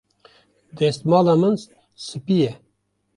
Destmala min spî ye.